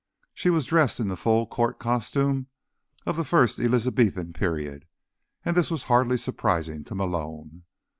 She was dressed in the full court costume of the First Elizabethan period, and this was hardly surprising to Malone.